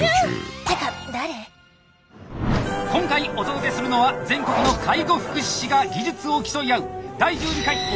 てか今回お届けするのは全国の介護福祉士が技術を競い合う！